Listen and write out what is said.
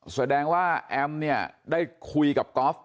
แสดงว่าแอมเนี่ยได้คุยกับกอล์ฟ